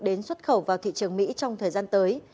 đến xuất khẩu vào thị trường mỹ trong thời gian tới